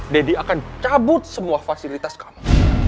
deddy akan cabut semua fasilitas kamu